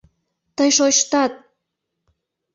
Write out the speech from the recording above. Тый шойыштат!